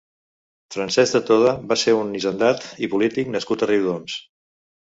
Francesc de Toda va ser un hisendat i polític nascut a Riudoms.